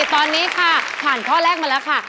ตอนนี้ค่ะผ่านข้อแรกมาแล้วค่ะ